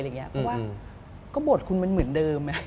เพราะว่าก็บทคุณมันเหมือนเดิม